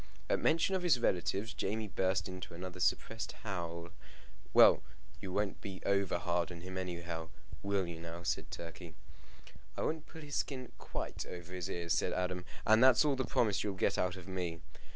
At mention of his relatives Jamie burst into another suppressed howl. "Well, you won't be over hard upon him anyhow: will you now?" said Turkey. "I won't pull his skin quite over his ears," said Adam; "and that's all the promise you'll get out of me."